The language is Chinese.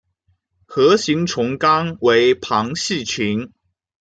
核形虫纲为旁系群。